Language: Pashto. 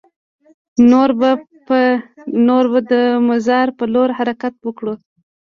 نور به د مزار په لور حرکت وکړو.